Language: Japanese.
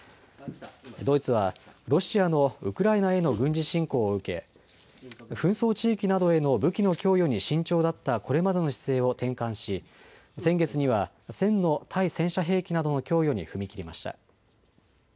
ドイツはロシアのウクライナへの軍事侵攻を受け紛争地域などへの武器の供与に慎重だったこれまでの姿勢を転換し先月には１０００の対戦車兵器などの供与に踏み切りました。